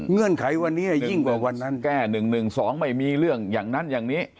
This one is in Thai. เงื่อนไขวันนี้ยิ่งกว่าวันนั้นแก้๑๑๒ไม่มีเรื่องอย่างนั้นอย่างนี้